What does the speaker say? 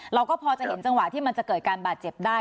เราก็พอจะเห็นจังหวะที่มันจะเกิดการบาดเจ็บได้